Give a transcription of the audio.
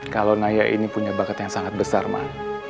kalau naya ini punya bakat yang sangat besar mah